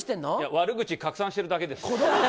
悪口、拡散してるだけです。